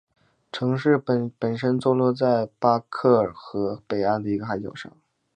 城市本身坐落在巴克尔河北岸的一个海角上。